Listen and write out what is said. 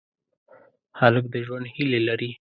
هلک د ژوند هیلې لري.